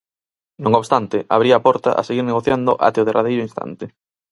Non obstante, abría a porta a seguir negociando até o derradeiro instante.